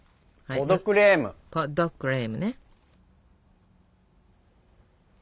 ポ・ド・クレームね。